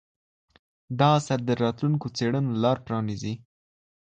دا اثر د راتلونکو څېړنو لار پرانیزي.